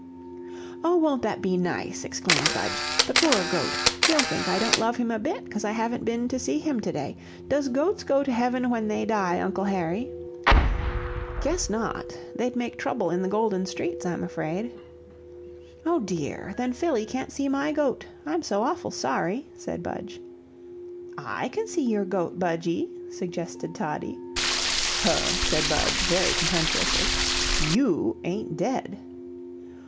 "Oh, won't that be nice?" exclaimed Budge. "The poor goat! he'll think I don't love him a bit, 'cause I haven't been to see him to day. Does goats go to heaven when they die, Uncle Harry?" "Guess not they'd make trouble in the golden streets, I'm afraid." "Oh, dear! then Phillie can't see my goat. I'm so awful sorry," said Budge. "I can see your goat, Budgie," suggested Toddie. "Huh!" said Budge, very contemptuously. "YOU ain't dead."